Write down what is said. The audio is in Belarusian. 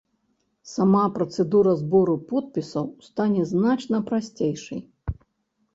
Сама працэдура збору подпісаў стане значна прасцейшай.